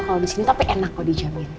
kalau disini tapi enak kok dijamin